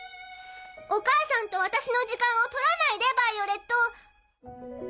お母さんと私の時間を取らないでヴァイオレット。